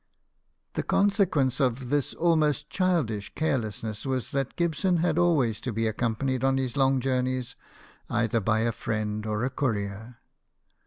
The consequence of this almost childish care lessness was that Gibson had always to be accompanied on his long journeys either by a friend or a courier.